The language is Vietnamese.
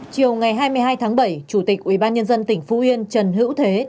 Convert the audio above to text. chiều ngày hai mươi hai tháng bảy chủ tịch ubnd tỉnh phú yên trần hữu thế